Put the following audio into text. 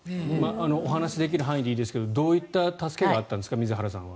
お話しできる範囲でいいですがどういった水原さんの助けがあったんですか？